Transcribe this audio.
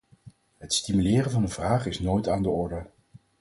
Het stimuleren van de vraag is nooit aan de orde.